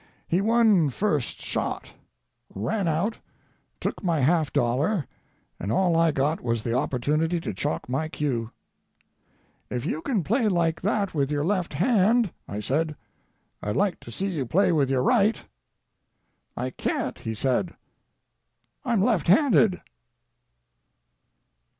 He won first shot, ran out, took my half dollar, and all I got was the opportunity to chalk my cue. "If you can play like that with your left hand," I said, "I'd like to see you play with your right." "I can't," he said. "I'm left handed."